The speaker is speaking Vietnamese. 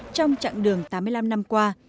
trong chặng đường tám mươi năm năm qua